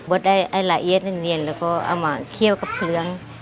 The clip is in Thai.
ได้ให้ละเอียดเนียนแล้วก็เอามาเคี่ยวกับเครื่อง